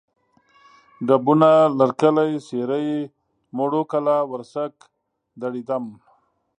ډبونه، لرکلی، سېرۍ، موړو کلا، ورسک، دړیدم